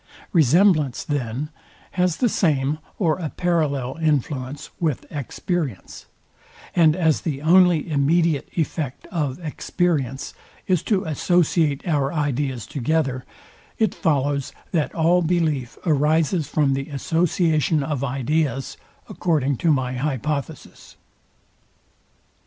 Resemblance, then, has the same or a parallel influence with experience; and as the only immediate effect of experience is to associate our ideas together, it follows, that all belief arises from the association of ideas, according to my hypothesis.